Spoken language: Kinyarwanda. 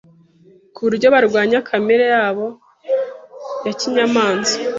ku buryo barwanya kamere yabo ya kinyamaswa,